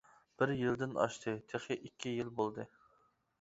-بىر يىلدىن ئاشتى، تېخى ئىككى يىل بولدى.